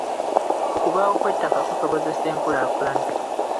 Okubaawo kw'ettaka kusobozesa enkulaakulana.